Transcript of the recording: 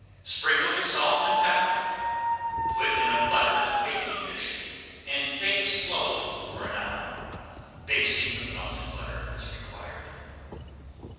Sprinkle with salt and pepper, put in a buttered baking dish, and bake slowly for an hour, basting with melted butter as required.